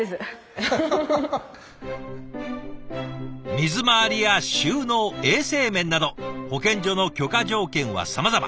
水回りや収納衛生面など保健所の許可条件はさまざま。